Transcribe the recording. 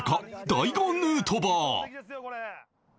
大悟ヌートバー